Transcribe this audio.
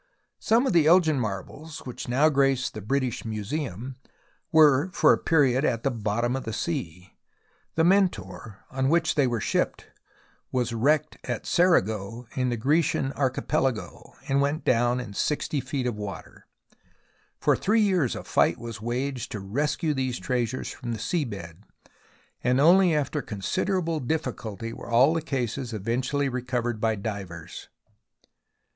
Some of the Elgin marbles which now grace the British Museum were for a period at the bottom of the sea. The Mentor, on which they were shipped, was wrecked at Cerigo in the Grecian Archipelago, and went down in 60 feet of water. For three years a fight was waged to rescue these treasures from the sea bed, and only after considerable difftculty were all the cases eventually recovered by divers.